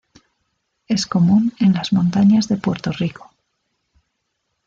Es común en las montañas de Puerto Rico.